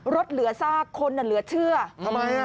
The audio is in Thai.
เหลือซากคนอ่ะเหลือเชื่อทำไมอ่ะ